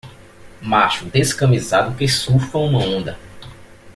Macho descamisado que surfa uma onda.